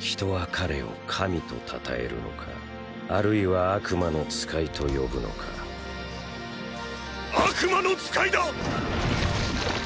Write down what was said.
人は彼を神と称えるのかあるいは悪魔の使いと呼ぶのか悪魔の使いだ！